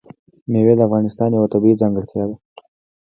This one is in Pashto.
مېوې د افغانستان یوه طبیعي ځانګړتیا ده.